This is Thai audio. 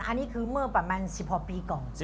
อันนี้คือเมื่อประมาณ๑๖ปีก่อน